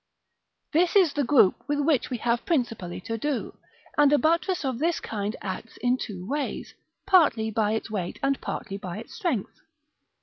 This is the group with which we have principally to do; and a buttress of this kind acts in two ways, partly by its weight and partly by its strength.